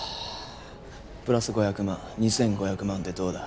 プラス５００万２５００万でどうだ？